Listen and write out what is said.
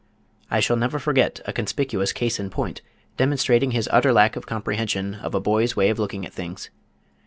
I shall never forget a conspicuous case in point demonstrating his utter lack of comprehension of a boy's way of looking at things.